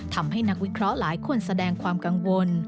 นักวิเคราะห์หลายคนแสดงความกังวล